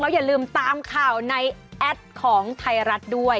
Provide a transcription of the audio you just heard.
อย่าลืมตามข่าวในแอดของไทยรัฐด้วย